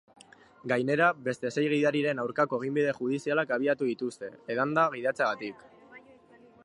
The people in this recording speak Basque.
Gainera, beste sei gidariren aurkako eginbide judizialak abiatu dituzte, edanda gidatzeagatik.